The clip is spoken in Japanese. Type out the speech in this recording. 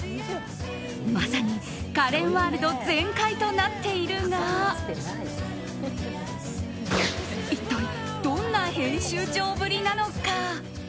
まさにカレンワールド全開となっているが一体どんな編集長ぶりなのか。